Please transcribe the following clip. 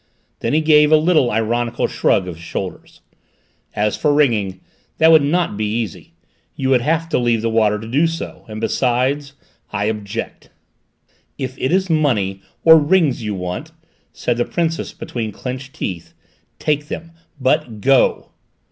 Then he gave a little ironical shrug of his shoulders. "As for ringing that would not be easy: you would have to leave the water to do so! And, besides, I object." "If it is money, or rings you want," said the Princess between clenched teeth, "take them! But go!"